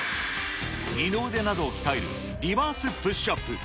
二の腕などを鍛えるリバースプッシュアップ。